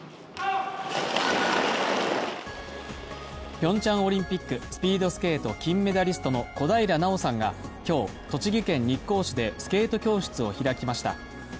ピョンチャンオリンピック、スピードスケート金メダリストの小平奈緒さんが今日、栃木県日光市でスケート教室を開きました。